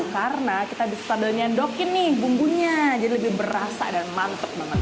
karena kita bisa sambil nyendokin nih bumbunya jadi lebih berasa dan mantep banget